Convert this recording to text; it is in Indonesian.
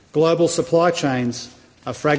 cahaya penguasa global berkembang